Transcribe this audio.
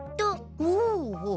ほうほう。